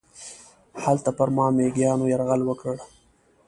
هلته پر ما میږیانو یرغل وکړ.